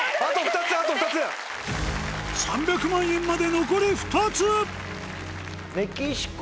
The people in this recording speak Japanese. ３００万円まで残り２つ！